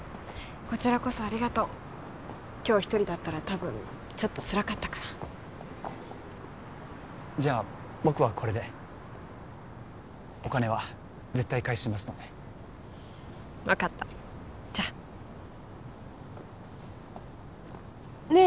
こちらこそありがとう今日１人だったら多分ちょっとつらかったからじゃあ僕はこれでお金は絶対返しますので分かったじゃあね